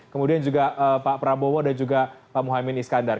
kemudian juga pak prabowo dan juga pak muhaymin iskandar